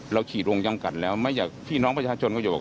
เราขีดวงยังกันแล้วพี่น้องประชาชนก็อย่าบอก